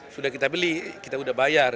sudah kita beli kita sudah bayar